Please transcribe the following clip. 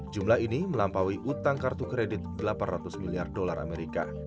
jumlah ini melampaui utang kartu kredit delapan ratus miliar dolar amerika